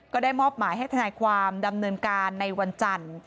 ก็ได้มอบหมายให้ทนายความดำเนินการในวันจันทร์